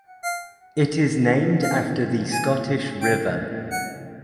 It is named after the Scottish river.